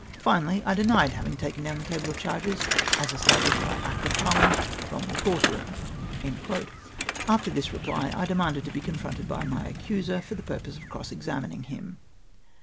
Finally, I denied having taken down the table of charges, as established by Act of Parliament, from the Court room." After this reply I demanded to be confronted with my accuser, for the purpose of cross examining him.